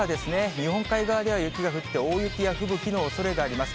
日本海側では雪が降って、大雪や吹雪のおそれがあります。